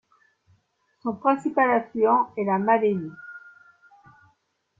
Son principal affluent est la Malaise.